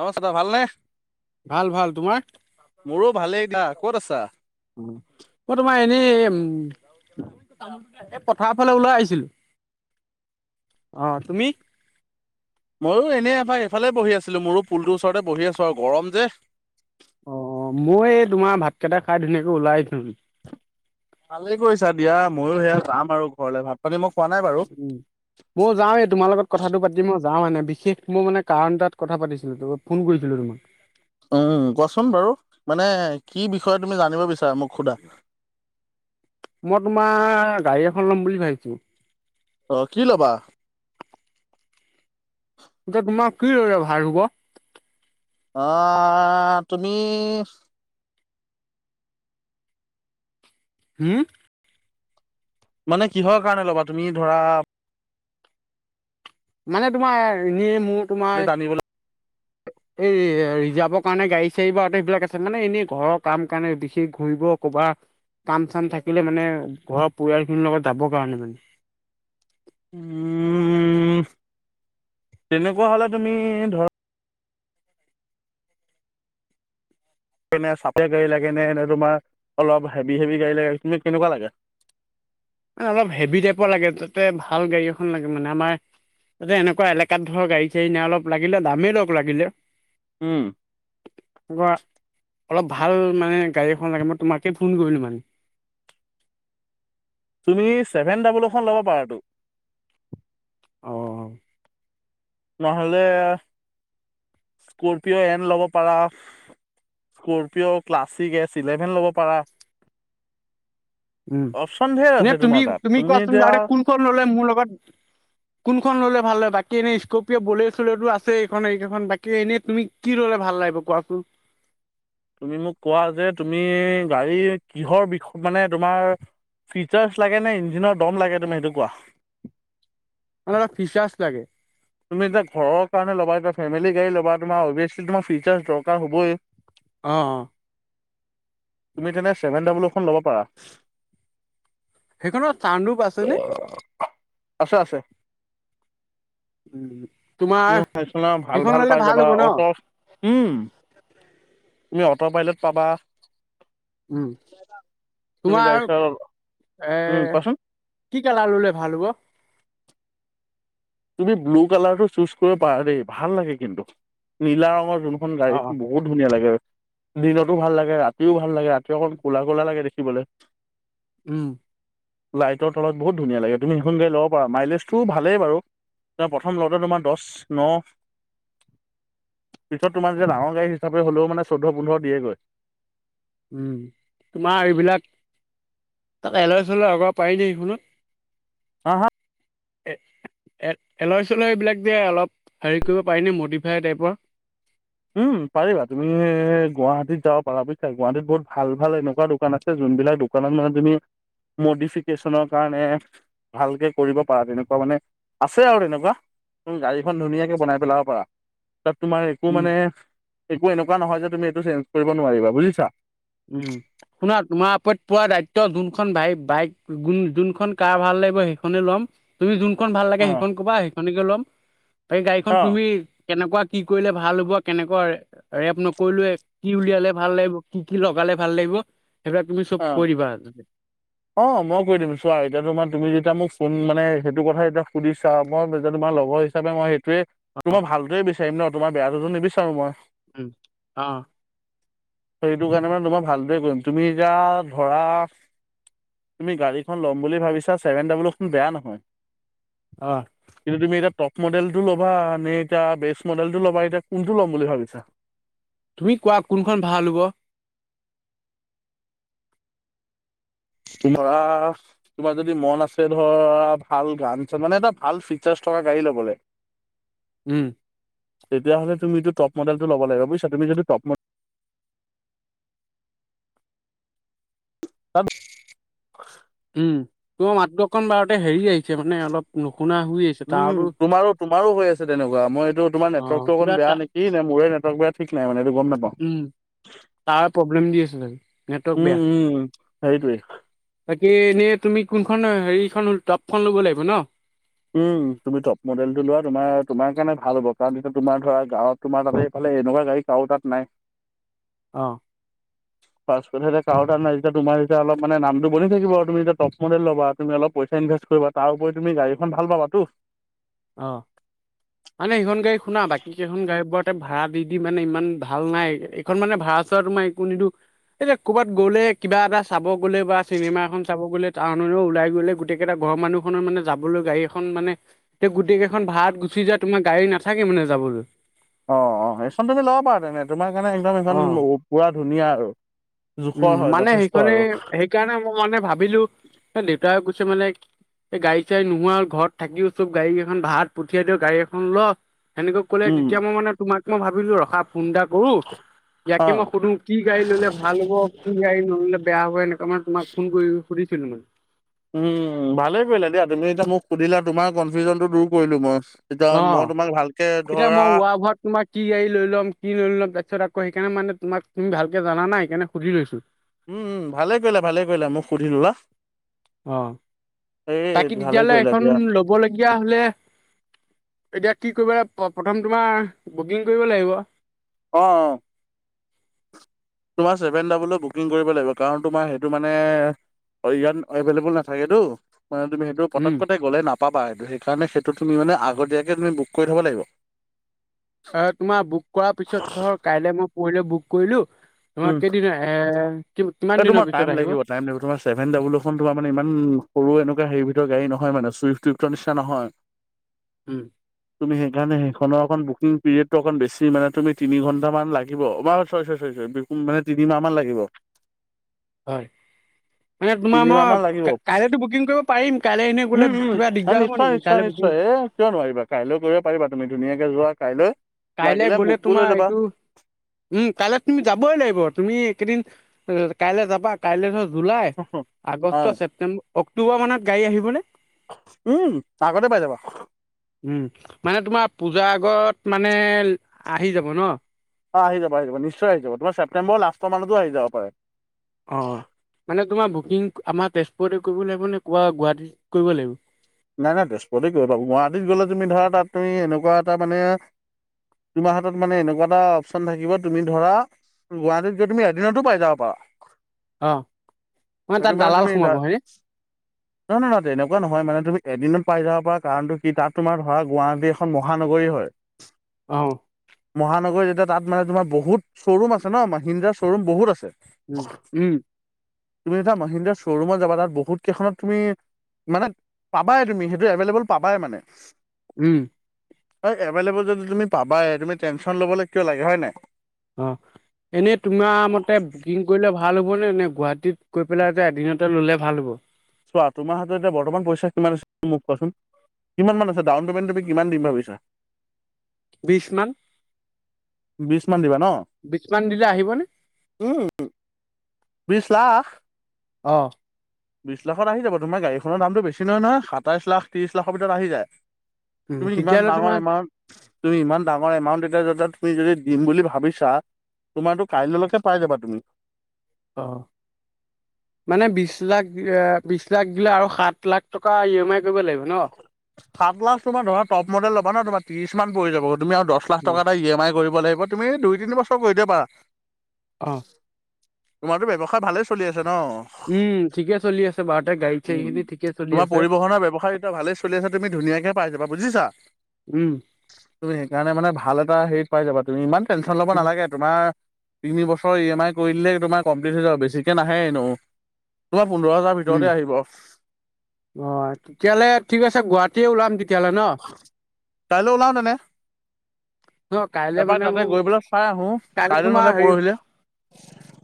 নমস্কাৰ দাদ ভালনেে ভাল ভাল তোমাৰ মোৰো ভালেই গা ক'ত আছা াৰ ফালে ওলাই আহিছিল অ তুমি ময়ো এনেই এফাৰ এইফালে বহি আছিলো মোৰো পুলটোৰ ওচৰতে বহি আছো আৰু গৰম যে অ মই এই তোমাৰ ভাতকেইটা খাই ধুনীয়াকে ওলাই থ ভালেই কৰিৈছা দিয়া ময়ো সেয়া যাম আৰু ঘৰলে ভাত পানী মোক উ ময় যাও এ তোমাৰ লগত কথাটো পাতিম আৰু যাওঁ মানে বিশেষ মই মানে কাৰণ তাত কথা পাতিছিলো ফোন কৰিছিলো তোমাক উম কোৱাচোন বাৰু মানে কি বিষয়ে তুমি জানিব বিচাৰা মোক সোধা? মই তোমাৰ গাড়ী এখন লম বুলি ভাবিছো অ কি ল'বা এতিয়া তোমাৰ কিদৰে ভাৰ হব আহ তুমি হম মানে কিহৰ কাৰণে ল'বা তুমি ধৰা মানে তোমাৰনে মোৰ তোমাৰ চালিিতানীিবল এই ৰিজাৰ্ভৰ কাৰণে গাড়ী চাড়ী বা সবিলাক আছে মানে এনেই ঘৰৰ কাম কাৰণে বিশেষ ঘূৰিব ক'ৰবাত কাম চান থাকিলে মানে ঘৰৰ পৰিয়াল খিনিৰ লগত যাবৰ কাৰণে মানে উম তেনেকুৱা হ'লে তুমি ধৰ চফ গাড়ী লাগে নে ন তোমাৰ অলপ হেভি হেভি গাড়ী লাগে তুমি কেনেকুৱা লাগে অলপ হেভি টাইপৰ লাগে তাতে ভাল গাড়ী এখন লাগে মানে আমাৰ তাতে এনেকুৱা এলেকাত ধৰক গাড়ী চাড়ী নে অলপ লাগিলে দামেই অলপ লাগিলে উম অলপ ভাল মানে গাড়ী এখন লাগে মই তোমাকেই ফোন কৰিলোঁ মানে তুমি ছেভেন ডাবল এখন ল'ব পাৰাাতটো আহঁ নহলে স্কপিঅ এন ল'ব পাৰা স্কৰপিঅ' ক্লাছিক এছ ইলেভেন ল'ব পাৰা [inaudible] উম অপচন ধেৰ এনে আছে তুমি তোমাৰ তাত তুমি কোৱাচোন এতিয়া বে কোনখন ললে মোৰ লগত কোনখন ল'লে ভাল হয় বাকী বাকী এনেই স্কপিয় ব চলেো আছে এই এইখন বাকী এনেই তুমি কি ৰলে ভাল লাগিব কোৱাচোন [inaudible] তুমি মোক কোৱা যে তুমি গাড়ী কিহৰ বিষ মানে তোমাৰ ফিচাৰছ লাগে নে ইঞ্জিনৰ দম লাগে তুমি সেইটো কোৱা [inaudible] ফিচাৰছ লাগে তুমি এতিয়া ঘৰ কাৰে ল'বা এতিয়া ফেমিলি গাড়ী ল'বা তোমাৰ অভিয়াচলি তোমাৰ ফিচাৰ্ছ দৰকাৰ হ'বই অ অ তুমি তেনে ছেভেন ডাবলখন ল'ব পাৰা সেইখনত চান ৰূপ আছেনে আছে আছে উম, তোমাৰ না ভাল সেইখন ভাল ল'লে পাই যাবা অট উম আ তুমি অটো পাইলট পাবা উম, তুমি তোমাৰ তাৰপিছত এ উম কোৱাচোন কি কেলা ললে ভাল হ'ব তুমি ব্লু কালাৰটো চুজ কৰিব পাৰা দেই ভাল লাগে কিন্তু নীলা ৰঙৰ অ অ তুমি বহুত ধুনীয়া লাগে হয় দিনতো ভাল লাগে ৰাতিও ভাল লাগে ৰাতি অকণ ক'লা কোলা লাগে দেখিবলৈ উম। লাইটৰ তলত বহুত ধুনীয়া লাগে তুমি সেইখন গাড়ী ল'ব পা মাইলেজতটো ভালেই বাৰু। প্ৰথম লগতে তোমাৰ দহ ন- পিছত তোমাৰ যে ডাঙৰ গাড়ী হিচাপে হ'লেও মানে চৈধ্য পোন্ধৰ দিয়েগৈ। তোমাৰ এইবিলাক- তাত এলৰা চল আগাব পাৰি ন সেইখনত- হা হা। এ [inaudible] এ এলহ চলহৰিীবিলাক দিয়ে অলপ হেৰি কৰিব পাৰিনে মডিফাই টাইপৰ। উম পাৰিবা তুমি গুৱাহাটীত যাব পাৰা বুজিছা গুৱাহাটীত বহুত ভাল ভাল এনেকুৱা দোকান আছে য- তুম দোকান মান তুমি- মডিফিকেশ্যনৰ কাৰণে ভালকে কৰিব পাৰা তেনেকুৱা মানে- আছে আৰু তেনেকুৱা উম গাড়ীখন ধুনীয়াকে বনাই পেলাব পাৰা তাত তোমাৰ- একো উম, মানে একো এনেকুৱা নহয় যে তুমি এইটো চেঞ্জ কৰিব নোৱাৰিবা বুজিছা। উম। শুনা তোমাৰ ওপৰত পোৱা দায়িত্ব যোনখনাই বাইক যোনখন কাৰ ভাল লাগিব সেইখনে ল'ম। তুমি যোনখন ভাল লাগে অ', সেইখন কবা সেইখনকে ল'ম তাকে গাড়ীখন অ', তুমি- কেনেকুৱা কি কৰিলে ভাল হ'ব কেনেকুৱা ৰেপ নকৰিলোৱে কি উলিয়ালে ভাল লাগিব কি- কি লগালে ভাল লাগিব? সেইবিলাক তুমি চব অ' কৈ দিবা। অ' মই কৰি দিম চোৱা এতিয়া ম তুমি যেতিয়া মোক- কোন মানে সেইটো কথা এতিয়া সুধিছা মই যে তোমাৰ লগৰ হিচাপে মই সেইটোৱে তোমাৰ ভালটোৱে বেছি। চম ন তোাৰেয়াটোতো নিবিচাৰো মই। উম আহ। সেইটো কাৰণে মানে তোমই ভালদৰে কৰিম তুমি এতিয়া ধৰা- তুমি গাড়ীখন ল'ম বুলি ভাবিছা ছেভেন ডাব্লুখন বেয়া নহয়। আহ। কিন্তু তুমি এতিয়া টপ মডেলটো ল'বা নে এতিয়া বেচ মডেলটো ল'বা এতিয়া কোনটো ল'ম বুলি ভাবিছা। তুমি কোৱা কোনখন ভাল হ'ব। তোমাৰৰা তোমাৰ যদি মন আছে ধৰা ভাল গান চান মানে এটা ভাল ফিচাৰ- থকা গাড়ী ল'বলৈ। উম। তেতিয়াহ'লে তুমিতো টপ মডেলটো ল'ব লাগিব বুজিছা তুমি যদিটো টপ মডেল [unintelligible] উম, তোৰ মাত্ৰ অকণ বাৰতে হেৰি আহিছে মানে অলপ নুশুনা শুই আহিছে উম তাৰটোৰ তোমাৰো তোমাৰো হৈ আছে তেনেকুৱা মই এইটো তোম নেটৱৰ্কটো অকণ কিবা টা বেয়া নেকি নে মোৰে নেটৱৰ্ক বেয়া ঠিক নাইানে? উম, টাৱাৰ প্ৰব্লেম দিআছে। উম, উম, হেইতোৱে। তাকে এনেই তুমি কোনখন হেৰিখন টাবখন ল'ব লাগিব ন। উম, তুমি টপ মডেল টো লোৱা তোমাৰ তোমাৰ কাৰণে ভাল হ'ব কাৰণ তেতিয়া তোমাৰ ধৰা গাঁৱত তোমাৰ তাতে ভাল। এনেকুৱা গাড়ী কাৰো তাত নাই। অ', কাৰ তাত নাই যদি তোমাৰ হৈছে অলপ নামটো থাকিব আৰু এতিয়া টপ মডেল ল'বা তুমি অলপইচা ইনভষ্ট কৰিবা তাৰ ওপৰিও। তুমি গাড়ীখন ভাল পাবাতো। অ' মানে সেইখন গাড়ী শুনা বাকী কেইখন গাড়ীৰ বোৰত ততে ভাড়া দি দি মানে ইমান ভাল নাই এইখন মানে ভাড়া চাড়া তোমাৰ একো নিদিওঁ। এতিয়া ক'ৰবাত গ'লে কিবা এটা চাব গ'লে বা চিনেমা এখন চাব গ'লে। টাউনও ওলাই গ'লে গোটেইকেইটা ঘৰৰ মানুহখনৰ মানে যাবলৈ গাড়ী এখন মানে- তে গোটেই কেইখন ভাড়াত গুচি যায়, তোমাৰ গাড়ী নাথাকে মানে যাবলৈ। অ' অ' সেইখন তুমি ল'ব পাৰা তেনে তোমাৰ কাৰণে একদম সেইখন অ'। পুৰা ধুনীয়া আৰু- উম, জোখৰ হয় মানে যথেষ্ট সেইখনে আৰু সেইকাৰণে মই মানে ভাবিলো দেউতাই কৈছে মানে। এই গাড়ী চাড়ী নোহোৱা আৰু ঘৰত থাকিও চ'ব গাড়ী কেইখন ভাড়াত পঠিয়াই দিয়ও গাড়ী এখন ল- সেনেকৈ ক'লে উম তেতিয়া মই মানে তোমাক মই ভাবিলো ৰখা। ফোন এটা কৰো অ ইয়াকে মই সুধো কি গাড়ী ল'লে ভাল হ'ব কি গাড়ী নললে বেয়া হ'ব এনেক - তোমাক তোমাক ফোন কৰি সুধিছিলো মই। উম, ভালেই পৰিলা দিয়া তুমি এতিয়া মোক সুধিলা তোমাৰ কনফিউজন টো দূৰ কৰিলো মই। এতিয়া মই তোমাক ভালকে অ' এতিয়া ধৰা মই ৱাভূৱত তোমাৰ কি গাড়ী লৈ ল'ম কি লৈলম তাৰপাছতক - তো সেইকাণে মানে তোমাক ভালকে জানা না সেইকানে সুধি লৈছো। উম, উম, ভালে কৰিলা ভালে কৰিলা। অ' এই বাকী ভালে তেতিয়াৰে হ'লে কৰিলা এখন দিয়া ল'বলগীয়া হ'লে? এতিয়া কি কৰিব প্ৰথম তোমাৰ বুকিং কৰিব লাগিব। অ' অ'। তোমাৰ চেভেন ডাবুল বুকিং কৰিব লাগিব কাৰণ তোমাৰ সেইটো মানে - হয়, ইয়াত এভেইলেবল নাথাকেতো মানে তুমি সেইটো উম। পতকতে গ'লে নাপ নাপাবা হেটো সেইকাৰণে সেইটো তুমি মানে আগতীয়াকৈ তুমি বুক কৰি থ'ব লাগিব। অ' তোমাৰ বুক কৰা পিছত ধৰ কাইলৈ মই পৰহিলৈ বুক কৰিলো। তোমাৰ কেইদিন এহে কিত। ঐ, তোমাৰ টাইম লাগিব টাইম লাগিব তোমাৰ ছেভেন ডাবুল ফুন তোমা ইমান সৰু এনেকুৱা - হেৰি ভিতৰ গাড়ী নহয় মানে চুইফ্ট টিউবটৰ নিচিনা নহয়। উম তুমি হেইকাৰণে - খনৰ অকণ বুকিং পিৰিয়ডটো অণ বেছি মানে তুমি তিনি - তিমাহ মান লাগিব। হয়। মানে তোমাৰ তিনিমাহ মান লাগিব মই কাইলেতো বুকিং কৰিব পাৰিম। কাইলৈ এনেই উম গলে উম কিবা দিগদাৰ হ'ব নিশ্চয় নেকি নিশ্চয় কাইলৈ - এ কিয় নোৱাৰিবা কাইলৈ কৰিব পাৰিবা তুমি ধুনীয়াকে যোৱা কাইলৈ - কাইলে গ'লে তোমাৰ এইটো উ কাইলৈ তুমি যাবই লাগিব তুমি - একেইদিন কাইলৈ যাবা কাইলৈ - জুলাই, আগষ্ট, হয় ছেপটেম্ব, অক্টোবৰ মানত গাড়ী আহিবনে? উম আগতে পাই যাবা উম, মানে তোমাৰ পূজা - আগত মানে আহি যাব ন? অ, আহি যাব - আহি যাব নিশ্চয় আহি যাব তোমাৰ ছেপ্টেম্বৰ লাষ্টৰ মানতো আহি যাব পাৰে। অ, মানে তোমাৰ বুক - [unintelligible] আমা তেজপুৰতে কৰিব লাগিব নে কাৱা গুৱাহাটীত কৰিব লাগিব? নাই নাই তেজপুতে কৰিব ৱাটীত গ'লে তুমি ধৰা তাত তুমি এনেকুৱা এটা মানে - তোমাৰ হাতত মানে এনেকুৱা এটা অপচন থাকিব তুমি ধৰা - গুৱাহাটীত যে তুমি এদিনতো পাই যাব পা। অ সেইটো তাত মানে দালাল তুমি সোমাব হয়নে [unintelligible] এনেকুৱা নহয় মানে তুমি - পাই যাব পৰা কাৰণটো কি তাত তোমাৰ ধৰা গুৱাহাটী এখন মহানগৰী হয়। অ মহানগৰীযিত। তাত মানে তোমাৰ বহুত শ্বৰুম আছে ন মাসিন্দা শ্বৰুম বহুত আছে। উ - উ তুমি এটা মহিন্দ্ৰা শ্ব'ৰুমত যাবা তাত বহুত কেইখনত তুমি মানে - পাবাই তুমি হেইটো এভেলেভোল পাবাই মানে। উ হয় এভেলভোল যদি তুমি পাবাই তুমি টেনশ্যন ল'বলৈ কিয় লাগে হয় নে। অ, এনেই তোমাৰ মতে বুকিং কৰিলে ভা ভাল হ'ব নে নে গুৱাহাটীত গৈ পেলাই যে এদিনতে ল'লে ভাল হ'ব? চোৱা তোমাৰ হাতত যে এতিয়া বৰ্তমান পইচা কিমান ছে মোক কোৱাচোন? কিমান মান আছে ডাউন পে'মেণ্ট তুমি কিমান দিম ভাবিছ বিছ মান। বিছ মান দিবা ন, বিশ মান দিলে আহিবনে উ বিছ লাখ। অ, বিশ লাখত আহি যাব তোমাৰ গাড়ীখনৰ দামটো বেছ নহয় নহয়, সাতাইশ লাখ ত্ৰিশ লাখৰ ভিতৰত আহি যায়। উম তুমি ইমান তেতিয়াহ'লে ডাঙৰ তোমাৰ এমাউণ্ট তুমি ইমান ডাঙৰ এমাউণ্ট এতিয়া য তাত তুমি যদি দিম বুলি ভাবিছা তোমাতো কাইলৈকে পাই যাবা তুমি। অ। মানে বিশ লাখ বিশ লাখ দিলে আৰু সাত লাখ টকা ই এম আই কৰিব লাগিব ন? সাত লাখ তোমাৰ ধৰা ট মডেল লবা ন তোমাৰ ত্ৰিশ লাখ পৰি যাব। তুমি আৰু দহ লাখ উম, টকা এটা এম আই কৰিব দ লাগিব তুমি দুই তিন বছৰ কৰি দিয়াবা। অ তোমাৰতো ব্যৱসায় ভালে চলি আছে। উম ঠিকে চলি আছে বাৰুতে গাড়ী উ চাড়ী খিনি ঠিকে চলি তোমাৰ আছে পৰিবহনৰ ব্যৱসায় এতিয়া ভালেই চলি আছে। তুমি ধুনীয়াকে পাই যাবা বুজিছা। উম তুমি সেইকাৰণে মানে ভাল এটা হেৰিত পাই যাবা, তুমি ইমান তেনশন ল'ব নালাগে। তোমাৰ তিনি বছৰ ই এম আই কৰি দলেে তোমাৰ কমপ্লিট হৈ যাব, বেছিকে নাহে এনেওঁ তোম উম অ তেতিয়াহ'লে ঠিক আছে, গুৱাহাটী ত ওলাম তেতিয়াহ'লে ন। কাইলৈ ওলাও ন নে। ন কাইলে তাৰপৰা মানে তাতে মোৰ গৈ পেললৈ চাই আহো, কাইলৈ নলে পৰহিলে।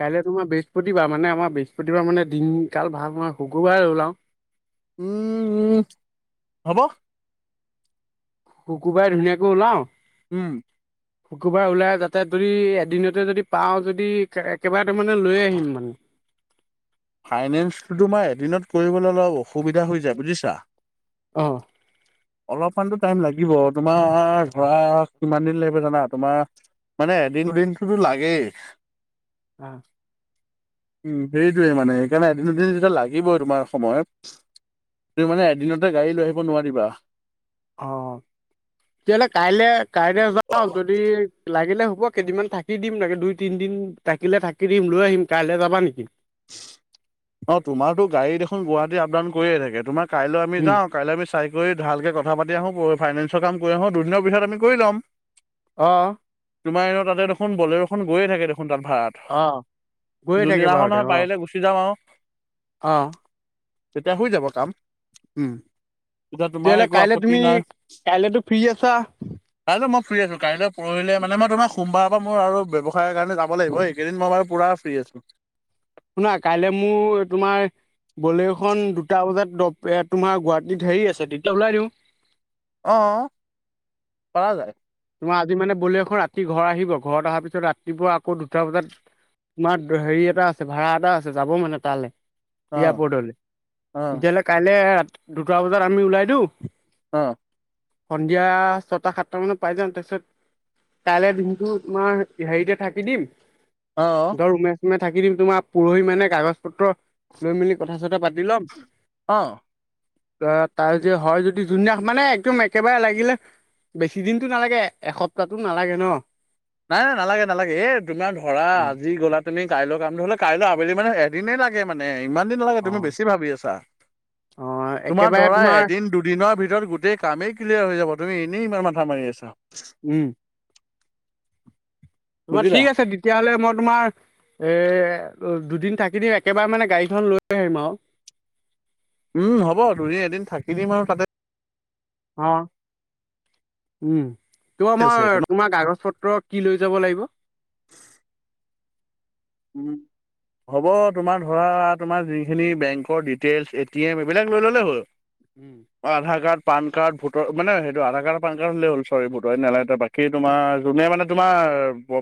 কাইলৈ তোমাৰ বেছ বৃহস্পতিবাৰ মানে আমাৰ বৃহস্পতিবাৰ মানে দিনকাল ভাল, মই শুকুৰবাৰে ওলাওঁ। উম উম হ'ব। শুকুৰবাৰে ধুনীয়াকৈ ওলাওঁ। উম। শুকুৰবাৰ ওলাই যাতে যদি এদিনতে যদি পাও যদি কেইবাটা মানে লৈ আহিম মানে। ফাইনেন্সটো তোমাৰ এদিনত কৰিবলৈ অলপ অসুবিধা হৈ যায় বুজিছা। অহ। অলপমানতো টাইম লাগিব, তোমাৰ ধৰা কিমান দিন লাগিব জানা তোমাৰ মানে এদিন দুদিনটোতো লাগেই। উ। উম সেইটোৱে মানে সেইকাৰণে এদিন দুদিন লাগিবই তোমাৰ সময়ত। তুম মানে এদিনতে গাড়ী লৈ আহিব নোৱাৰিবা। অ তেতিয়াহ'লে কাইলে কাইলে যাওঁ। যদি লাগ থাকিলে হ'ব কেইদিনমান থাকি দিম লাগে। দুই তিনিদিন থাকিলে থাকি দিম লৈ আহিম কাইলৈ যাবা নেকি? [inaudible] অ তোমাৰো গাড়ী দেখোন গুৱাহাটী আপডাউন কৰি থাকে, তোমাৰ কাইলৈ আমি উম, যাওঁ কাই আ চাই কৰি ভালকৈ কথা পাতি আহোঁ ফাইনেন্ঞ্চৰ কাম কৰি আহোঁ, দুদিনৰ ভিতৰত আমি কৰি ল'ম। অহ তোমাৰ ইও তাতে দেখোন বলেৰখন গয়ে থাকে দেখ সু তাত ভাড়াত অ', গৈয়ে যোনদিনাখন হয় পাৰিলে গুচি যাম আৰু। অঁ। তেতিয়া হৈ যাব কাম। উম। তেতিয়া তোমাৰ তেতিয়াহ'লে একো কাইলে আপত্তি তুমি নাই কাইলেতো ফ্ৰী আছা। কাইলৈ মই ফ্ৰী আছো কাইলৈ পৰহিলে। মই তোমাক সোমবাৰৰ পৰা মোৰ আৰু ব্যৱসায়ৰ কাৰণে যাব লাগিব, এইকেইদিন মই বাৰু পূৰা ফ্ৰী আছোঁ। শুনা কাইলৈ মোৰ তোমাৰ বলেৰখন দুটা বজাত তোমাৰ গুৱাহাটীত হেৰি আছে তেতিয়া ওলাই দিওঁ। অহ পৰা যায়। তোমাৰ আজি মানে বলেৰখন ৰাতি ঘৰত আহিব। ঘৰত অহাৰ পিছত ৰাতিপুৱা আকৌ দুটা বজাত তোমাৰ হেৰি এটা আছে, ভাড়া এটা আছে যাব মানে তালৈ। অ' এয়াৰপৰ্টলৈ অ' তেতিয়াহ'লে কাইলে দুটা বজাত আমি ওলাই দিওঁ। অ সন্ধিয়া ছয়টা সাতটা মানত পাই যাওঁ তাৰপিছত কাইলৈ দিনটো তোমাৰ হেৰিতে থাকি দিম অ' অ' ধৰ ৰুমে চুমে থাকি দিম তোমাৰ পৰহি মানে কাগজ পত্ৰ লৈ মেলি কথা চথা পাতি ল'ম অ তাৰ হয় যদি যোনদিনা মানে একদম একেবাৰে লাগিলে বেছি দিন টো নালাগে এসপ্তাহো নালাগে ন নাই নাই নালাগে নালাগে এই তোমাৰ ধৰা আজি গ'লা তুমি কাইলৈ কাম ধ হলো কাইলৈ আবেলি মানে এদিনেই লাগে মানে ইমান দিন নালাগে অ তুমি বেছি ভাবি আছা অ তোমাৰ একেবাৰে ধৰা এদিন দুদিনৰ ভিতৰত গোটেই কামেই ক্লিয়াৰ হৈ যাব তুমি এনেই ইমান মান মাৰ আছা উম তোমাৰ বুজিলা ঠিক আছে তেতিয়াহলে মই তোমাৰ এই দুদিন থাকি দি একেবাৰে মানে গাড়ীখন লৈ আহিম আৰু উম হ'ব দুনে এদিন থাকি দিম আৰু তাতে অ উম ত আছে এইটো আমাৰ ন তোমাৰ কাগজ পত্ৰ কি লৈ যাব লাগিব উম হ'ব তোমাৰ ধৰা তোমাৰ যিখিনি বেংকৰ ডিটেইলছ এটি এম এইবিলাক লৈ ল'লেই হ'ল উম আধাৰ কাৰ্ড পান কাৰ্ড ভোটৰ মানে সেইটো আধাৰ কাৰ পান কাৰ্ড হ'লে হ'ল চৰি ভোটৰ নাগ বাকী তোমাৰ যোনে মানে তোমাৰ [inaudible]